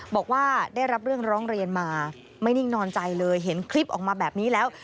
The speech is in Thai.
บอกว่าได้รับเรื่องร้องเรียนมาไม่นิ่งนอนใจเลยเห็นคลิปออกมาแบบนี้แล้ว